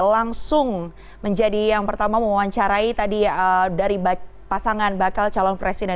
langsung menjadi yang pertama mewawancarai tadi dari pasangan bakal calon presiden